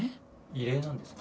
異例なんですか？